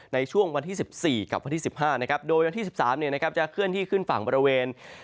ในช่วงวันที่๑๔กับวันที่๑๕นะครับโดยวันที่๑๓จะเคลื่อนที่ขึ้นฝั่งบริเวณ